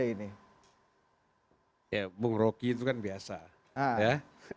ya bang rocky itu kan biasa ya